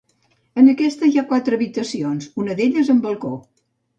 En aquesta hi ha quatre habitacions, una d’elles amb balcó.